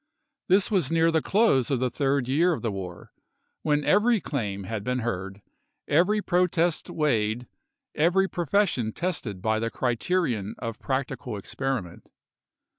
This was near the close of the third year of the war, when every claim had been heard, every protest weighed, every profession tested hj the criterion of practical experiment.